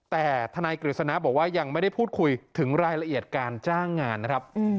แต่ทนายกฤษณะบอกว่ายังไม่ได้พูดคุยถึงรายละเอียดการจ้างงานนะครับ